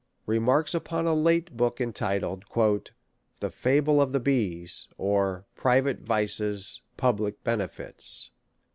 Remarks upon a late Book, entitled, " The Fa ble of the Bees ; or. Private Vices Public Benefits."